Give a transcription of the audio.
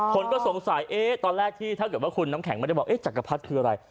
คนก็สงสัยตอนแรกที่ถ้าเกิดว่าคุณน้ำแข็งไม่ได้บอกจักรพรรดิคืออะไร